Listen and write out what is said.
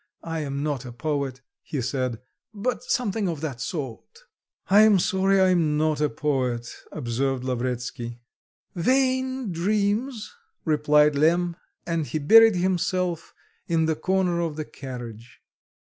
I am not a poet," he said, "but something of that sort." "I am sorry I am not a poet," observed Lavretsky. "Vain dreams!" replied Lemm, and he buried himself in the corner of the carriage.